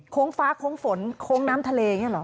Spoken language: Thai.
ฟ้าโค้งฝนโค้งน้ำทะเลอย่างนี้เหรอ